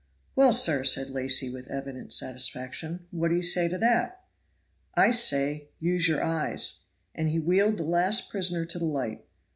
"Well, sir!" said Lacy, with evident satisfaction, "what do you say to that?" "I say use your eyes." And he wheeled the last prisoner to the light.